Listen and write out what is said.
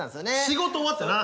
仕事終わってな。